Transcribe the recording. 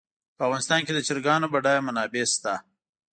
په افغانستان کې د چرګانو بډایه منابع شته.